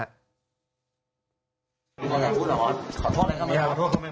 มอสอย่าพูดเหรอขอโทษนะครับ